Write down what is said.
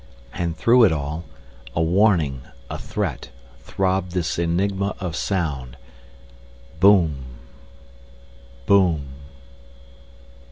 And through it all, a warning, a threat, throbbed this enigma of sound. Boom.... Boom....